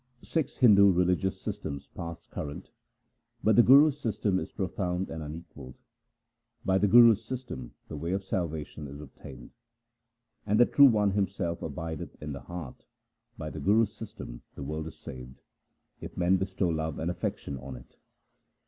Six Hindu religious systems pass current, But the Guru's system is profound and unequalled. By the Guru's system the way of salvation is obtained, And the True One Himself abideth in the heart. By the Guru's system the world is saved, If men bestow love and affection on it.